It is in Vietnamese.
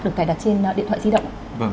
được cài đặt trên điện thoại di động